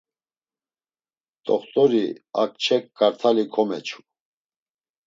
T̆oxt̆ori a kçe kart̆ali komeçu.